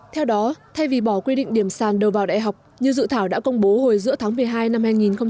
theo đó thay vì bỏ quy định điểm sàn đầu vào đại học như dự thảo đã công bố hồi giữa tháng một mươi hai năm hai nghìn một mươi chín